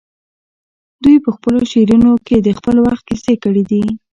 دوی په خپلو شعرونو کې د خپل وخت کیسې کړي دي